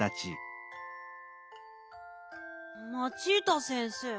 マチータ先生。